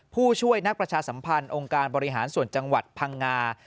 ผู้ช่วยนักประชาสัมพันธ์องค์การบริหารส่วนจังหวัดพังงา